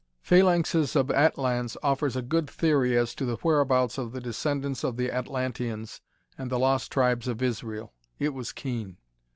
"Phalanxes of Atlans" offered a good theory as to the whereabouts of the descendants of the Atlanteans and the Lost Tribes of Israel. It was keen.